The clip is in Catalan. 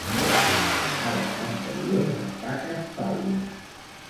Ales anteriors amb taques pàl·lides.